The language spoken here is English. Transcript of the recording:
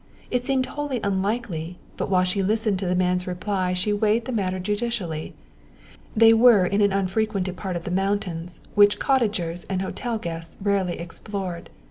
It seemed wholly unlikely, but while she listened to the man's reply she weighed the matter judicially. They were in an unfrequented part of the mountains, which cottagers and hotel guests rarely explored.